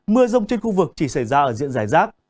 mưa rông trên khu vực chỉ xảy ra ở diện giải rác